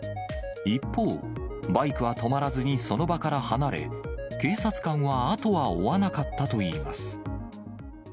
一方、バイクは止まらずにその場から離れ、警察官は後は追わなかったといいます。